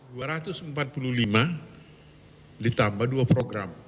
di antaranya dua ratus empat puluh lima proyek ditambah dua program